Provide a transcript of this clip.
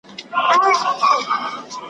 خدای چي په قارسي و یوه قام ته .